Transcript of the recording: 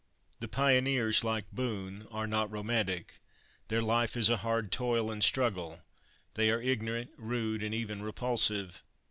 The pioneers, like Boone, are not romantic; their life is a hard toil and struggle; they are ignorant, rude, and even repulsive.